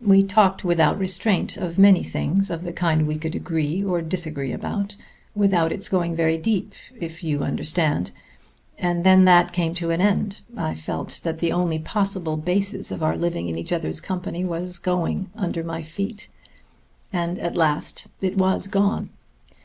We talked without restraint of many things of the kind we could agree or disagree about without its going very deep ... if you understand. And then that came to an end. I felt that the only possible basis of our living in each other's company was going under my feet. And at last it was gone.